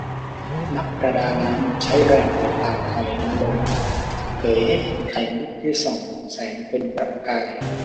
นักประดาน้ำ ใช้แรงเปิดปากหอยนางลม เผยให้เห็นไข่มุขที่ส่องแสงเป็นประกาย